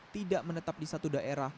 tidak menetap di satu daerah